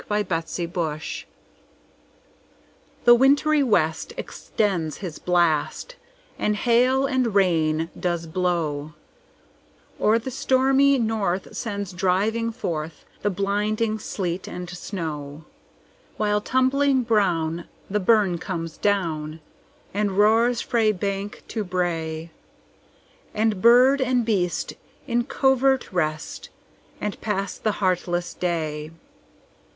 Winter: A Dirge THE WINTRY west extends his blast, And hail and rain does blaw; Or the stormy north sends driving forthThe blinding sleet and snaw:While, tumbling brown, the burn comes down, And roars frae bank to brae; And bird and beast in covert rest, And pass the heartless day.